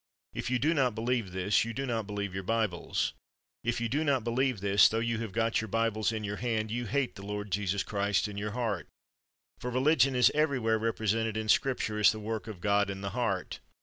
If you do not believe this, you do not believe your Bibles. If you do not believe this, tho you have got your Bibles in your hand, you hate the Lord Jesus Christ in your heart ; for religion is everywhere represented in Scripture as the work of God in the heart.